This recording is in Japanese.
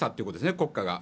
国家が。